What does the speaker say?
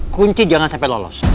kunci jangan sampai lolos